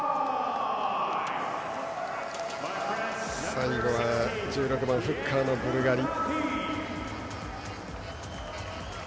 最後は１６番フッカーのブルガリ。